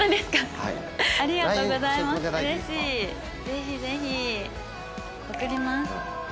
ぜひぜひ。送ります。